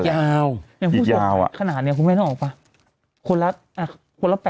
อย่างอิ่งผู้ถูกขาดขนาดนี้คุณแม่เขาต้องออกป่ะ